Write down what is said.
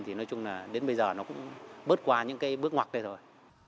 thì nói chung là đến bây giờ nó cũng bớt qua những cái bước ngoặc đây thôi